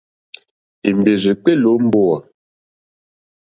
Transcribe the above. Èmbèrzà èkpéélì ó mbówà.